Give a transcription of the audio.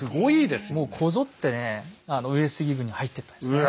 もうこぞってね上杉軍に入っていったんですね。